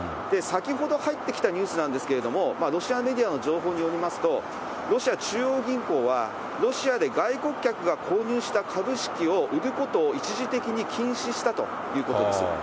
先ほど入ってきたニュースなんですけれども、ロシアメディアの情報によりますと、ロシア中央銀行は、ロシアで外国客が購入した株式を売ることを一時的に禁止したということです。